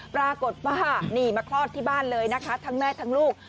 ปรากฏว่านี่มาคลอดที่บ้านเลยนะคะทั้งแม่ทั้งลูก